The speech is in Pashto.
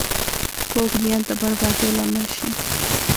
کوږ نیت د بربادۍ لامل شي